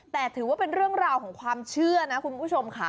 แต่ถือว่าเป็นเรื่องราวของความเชื่อนะคุณผู้ชมค่ะ